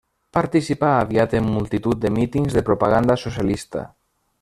Participà aviat en multitud de mítings de propaganda socialista.